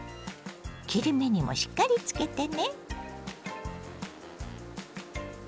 切り目にもしっかりつけてね。